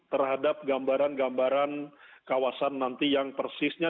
terhadap gambaran gambaran kawasan nanti yang persisnya